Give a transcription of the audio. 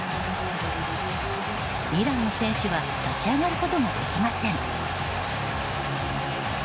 イランの選手は立ち上がることができません。